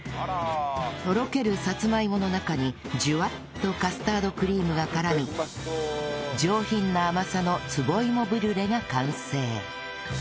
とろけるさつまいもの中にジュワッとカスタードクリームが絡み上品な甘さの壺芋ブリュレが完成